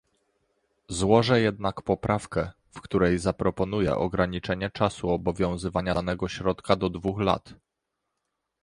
Złożę jednak poprawkę, w której zaproponuję ograniczenie czasu obowiązywania danego środka do dwóch lat